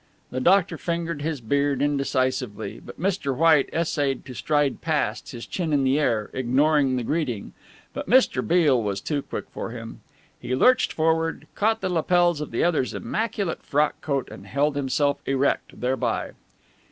The doctor fingered his beard indecisively, but Mr. White essayed to stride past, his chin in the air, ignoring the greeting, but Mr. Beale was too quick for him. He lurched forward, caught the lapels of the other's immaculate frock coat and held himself erect thereby.